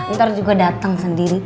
ntar juga dateng sendiri